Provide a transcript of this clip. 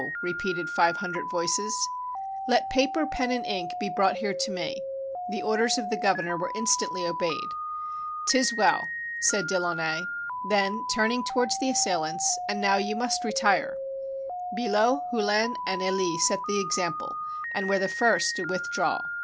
repeated five hundred voices. "Let paper, pen, and ink be brought here to me." The orders of the governor were instantly obeyed. " 'T is well," said De Launay. Then, turning towards the assailants, "And now you must retire." Billot, Hullin, and EUe set the example, and were the first to withdraw.